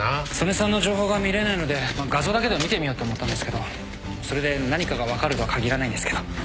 曽根さんの情報が見れないので画像だけでも見てみようと思ったんですけどそれで何かが分かるとは限らないんですけど。